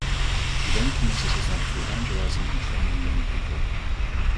He then committed his life to evangelizing and training young people.